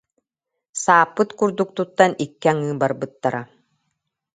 Сааппыт курдук туттан икки аҥыы барбыттара